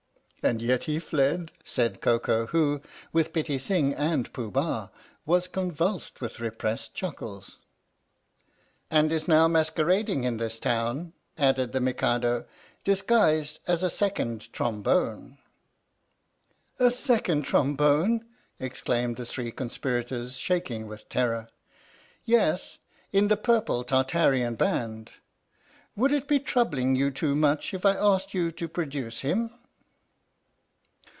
" And yet he fled !" said Koko who, with Pitti Sing and Pooh Bah, was convulsed with repressed chuckles. " And is now masquerading in this town," added the Mikado, " disguised as a Second Trombone." "A Second Trombone!" exclaimed the three conspirators, shaking with terror. " Yes in the Purple Tartarian Band. Would it be troubling you too much if I asked you to produce him?"